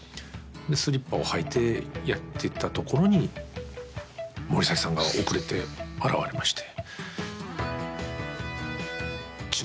スリッパを履いてやっていったところに森崎さんが遅れて現れまして。